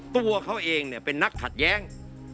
ตัวเขาเองเป็นนักขัดแย้ง